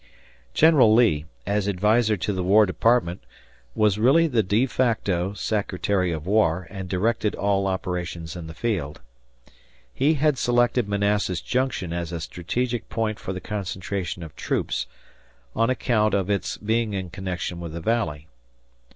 General Lee, as adviser to the War Department, was really the de facto Secretary of War and directed all operations in the field. He had selected Manassas Junction as a strategic point for the concentration of troops, on account of its being in connection with the Valley.